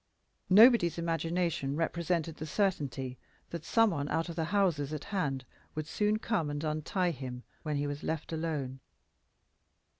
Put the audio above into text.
Nobody's imagination represented the certainty that some one out of the houses at hand would soon come and untie him when he was left alone.